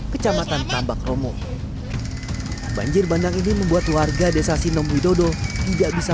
kecamatan tambak romo banjir bandang ini membuat warga desa sinong widodo tidak bisa